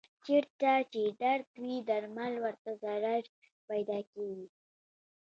چېرته چې درد وي درمل ورته ضرور پیدا کېږي.